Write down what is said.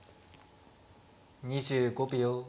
２５秒。